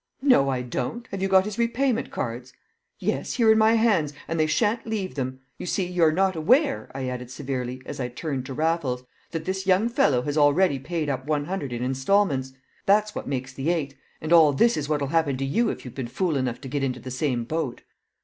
"No, I don't; have you got his repayment cards?" "Yes, here in my hands, and they shan't leave them. You see, you're not aware," I added severely, as I turned to Raffles, "that this young fellow has already paid up one hundred in instalments; that's what makes the eight; and all this is what'll happen to you if you've been fool enough to get into the same boat."